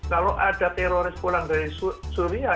kalau ada teroris pulang dari syria